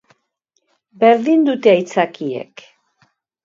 Berdin dute aitzakiek.